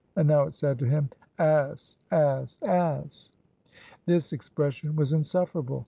And now it said to him Ass! ass! ass! This expression was insufferable.